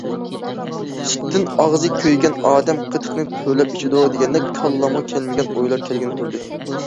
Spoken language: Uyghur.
« سۈتتىن ئاغزى كۆيگەن ئادەم قېتىقنى پۈۋلەپ ئىچىدۇ» دېگەندەك كاللامغا كەلمىگەن ئويلار كەلگىنى تۇردى.